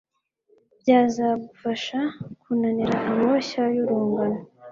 byazagufasha kunanira amoshya y urungano